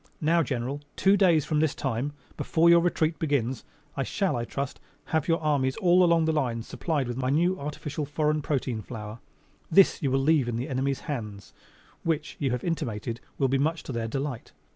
Now, General, two days from this time before your retreat begins I shall, I trust, have your armies all along the lines supplied with my new artificial, foreign protein flour. This you will leave in the enemy's hands, which, you have intimated, will be much to their delight.